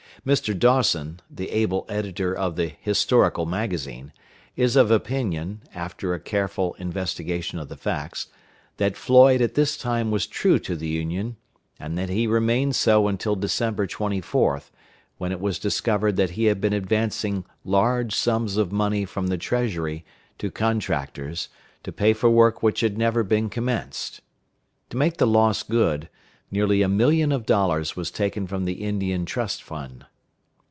Mr. Dawson, the able editor of the Historical Magazine, is of opinion, after a careful investigation of the facts, that Floyd at this time was true to the Union, and that he remained so until December 24th, when it was discovered that he had been advancing large sums of money from the Treasury to contractors, to pay for work which had never been commenced. To make the loss good, nearly a million of dollars was taken from the Indian Trust Fund.